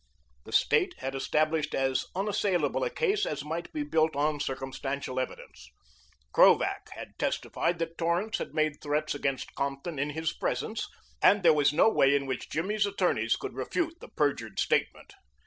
The State had established as unassailable a case as might be built on circumstantial evidence. Krovac had testified that Torrance had made threats against Compton in his presence, and there was no way in which Jimmy's attorneys could refute the perjured statement.